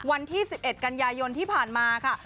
วันที่๑๑กันยายนที่ผ่านมาค่ะ